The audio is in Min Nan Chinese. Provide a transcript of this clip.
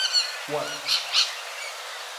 越